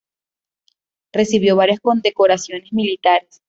Recibió varias condecoraciones militares.